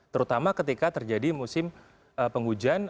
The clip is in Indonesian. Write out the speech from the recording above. terutama ketika terjadi musim penghujan